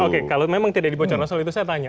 oke kalau memang tidak dibocorkan soal itu saya tanya